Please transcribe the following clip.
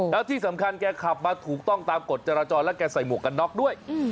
แล้วที่สำคัญแกขับมาถูกต้องตามกฎจราจรและแกใส่หมวกกันน็อกด้วย